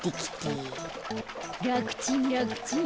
らくちんらくちん。